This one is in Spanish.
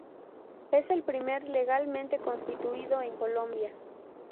Es el primer legalmente constituido en Colombia.